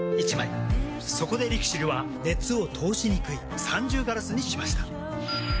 そこでＬＩＸＩＬは熱を通しにくい三重ガラスにしました。